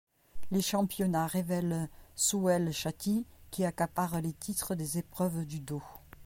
Les championnats révèlent Souheil Chatti qui accapare les titres des épreuves du dos.